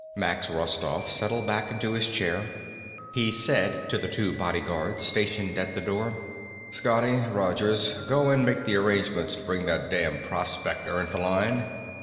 Max Rostoff, settled back into his chair. He said to the two bodyguards, stationed at the door, "Scotty, Rogers, go and make the arrangements to bring that damned prospector into line."